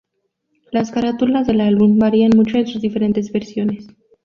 Las carátulas del álbum varían mucho en sus diferentes versiones.